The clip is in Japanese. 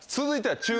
続いては。